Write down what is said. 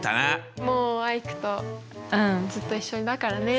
もうアイクとずっと一緒だからね。